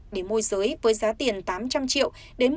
để môi giới với giá tiền tám trăm linh triệu đến một triệu đồng